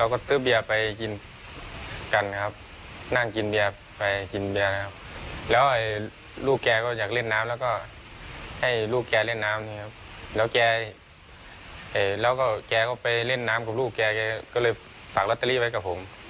ก็เลยฝากลอตเตอรี่ไว้กับผมครับ